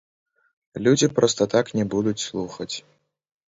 Людзі проста так не будуць слухаць.